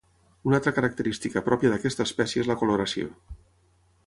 Una altra característica pròpia d'aquesta espècie és la coloració.